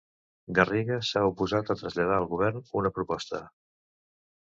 Garriga s'ha oposat a traslladar al govern una proposta.